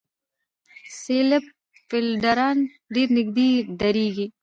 سلیپ فېلډران ډېر نږدې درېږي.